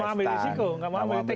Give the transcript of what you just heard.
iya persis nggak mau ambil risiko